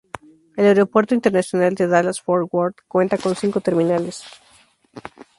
El Aeropuerto Internacional de Dallas-Fort Worth cuenta con cinco terminales.